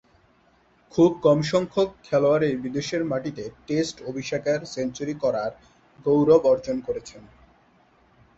খুব কমসংখ্যক খেলোয়াড়ই বিদেশের মাটিতে টেস্ট অভিষেকে সেঞ্চুরি করার গৌরব অর্জন করেছেন।